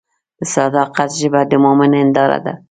د صداقت ژبه د مؤمن هنداره ده.